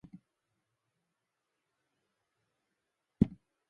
Самый высокий человек в мире.